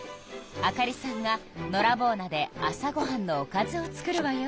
あかりさんがのらぼう菜で朝ごはんのおかずを作るわよ。